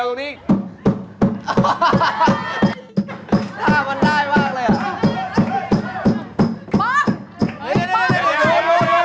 โอ้โฮ